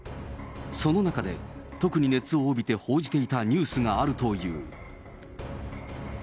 その中で、特に熱を帯びて報じていたニュースがあるという。